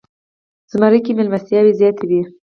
زمری کې میلمستیاوې زیاتې وي.